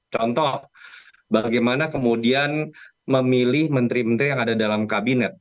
contoh bagaimana kemudian memilih menteri menteri yang ada dalam kabinet